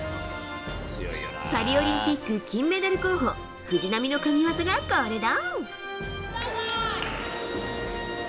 パリオリンピック金メダル候補、藤波の神技がこれだ。